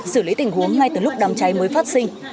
xử lý tình huống ngay từ lúc đám cháy mới phát sinh